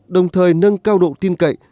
đồng thời nâng cao độ tiêm cậy